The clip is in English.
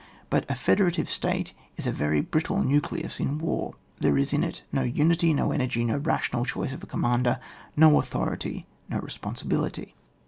But a federative state is a very brittle nucleus in war — there is in it no unity, no energy, no rational choice of a commander, no authority, no responsibility.